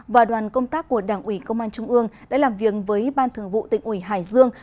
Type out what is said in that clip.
và đoàn công tác của đảng ủy công an trung ương đã làm việc với ban thường vụ tỉnh ủy hải dương